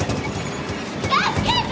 助けて！